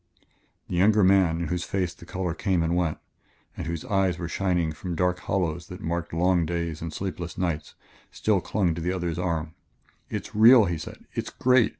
The younger man, in whose face the color came and went, and whose eyes were shining from dark hollows that marked long days and sleepless nights, still clung to the other's arm. "It's real," he said; "it's great!